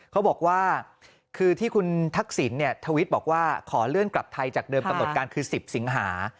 เขาบอกว่าคือที่คุณทักษิณทวิทย์บอกว่าขอเลื่อนกลับไทยจากเดิมกำหนดการคือ๑๐สิงหา